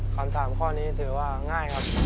คำถามข้อนี้ถือว่าง่ายครับ